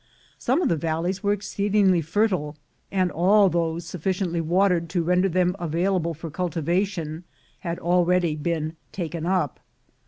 Some of the valleys are exceed ingly fertile, and all those sufficiently watered to render them available for cultivation had already been "taken up."